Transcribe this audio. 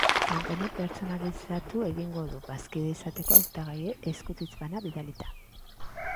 Kanpainia pertsonalizatu egingo du, bazkide izateko hautagaiei eskutitz bana bidalita.